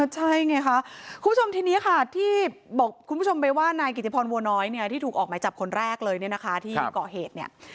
ใช่ไงคะคุณผู้ชมทีนี้ค่ะที่บอกคุณผู้ชมไปว่านายกิติพรบัวน้อยเนี่ยที่ถูกออกหมายจับคนแรกเลยเนี่ยนะคะที่ก่อเหตุเนี่ย